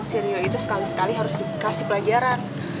si rio itu sekali sekali harus dikasih pelajaran